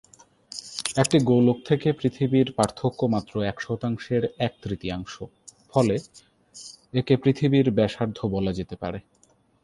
একটি গোলক থেকে পৃথিবীর পার্থক্য মাত্র এক শতাংশের এক তৃতীয়াংশ, ফলে একে "পৃথিবীর ব্যাসার্ধ" বলা যেতে পারে।